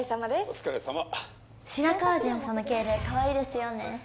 お疲れさま白河巡査の敬礼かわいいですよね